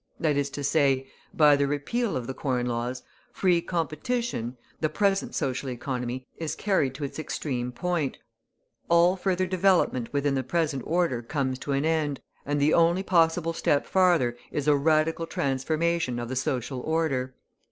That is to say by the repeal of the Corn Laws, free competition, the present social economy is carried to its extreme point; all further development within the present order comes to an end, and the only possible step farther is a radical transformation of the social order.